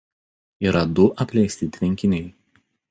Yra du apleisti tvenkiniai.